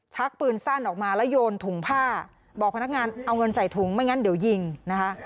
ชักปืนสั้นออกมาแล้วโยนถุงผ้าบอกพนักงานเอาเงินใส่ถุงไม่งั้นเดี๋ยวยิงนะคะ